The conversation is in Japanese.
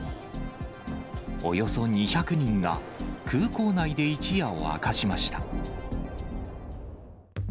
およそ２００人が、空港内で一夜を明かしました。